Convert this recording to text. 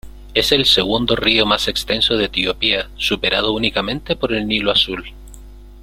Es el segundo río más extenso de Etiopía, superado únicamente por el Nilo Azul.